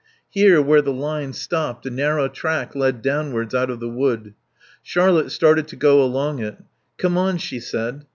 Here, where the line stopped, a narrow track led downwards out of the wood. Charlotte started to go along it. "Come on," she said.